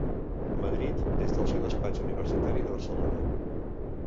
Madrid des del seu despatx universitari de Barcelona.